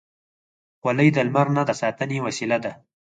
خولۍ د لمر نه د ساتنې وسیله ده.